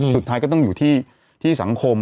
สุดท้ายก็ต้องอยู่ที่สังคม